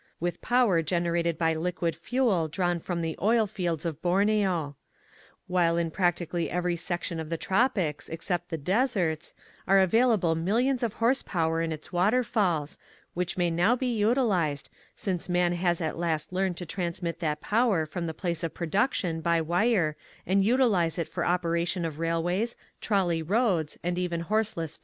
with power generated by liquid fuel drawn from the oil fields of Borneo ; while in practically every section of the tropics, except the deserts, are available millions of horsepower in its water falls, which may now be utilized, since man has at last learned to transmit that power from the place of production by wire and util ize it for operation of railways, trolley roads, or even horseless vehicles.